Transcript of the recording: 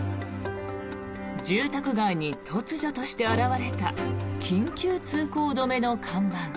住宅街に突如として現れた緊急通行止めの看板。